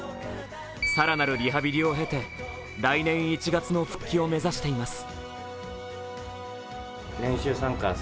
更なるリハビリを経て来年１月の復帰を目指しています。